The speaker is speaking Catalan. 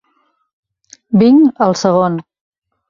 Vinc al segon.